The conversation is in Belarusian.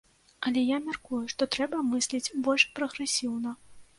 Але я мяркую, што трэба мысліць больш прагрэсіўна.